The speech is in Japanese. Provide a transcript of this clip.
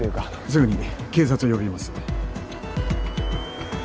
すぐに警察を呼びます。